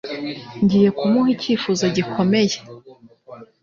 Ngiye kumuha icyifuzo gikomeye.